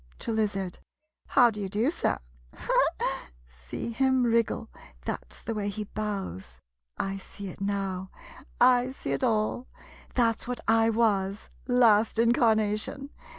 [To lizard.] How do you do, sir? See him wriggle — that 's the way he bows. I see it now — I see it all — that 's what I was — last incarnation.